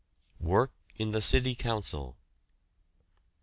WORK IN THE CITY COUNCIL.